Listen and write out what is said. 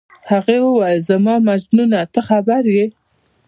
هغې وویل: زما مجنونه، ته خبر یې؟